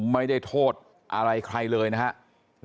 ไม่ได้โทษอะไรใครเลยนะครับ